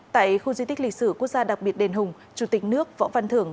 tại khu di tích lịch sử quốc gia đặc biệt đền hùng chủ tịch nước võ văn thưởng